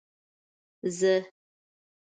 زه.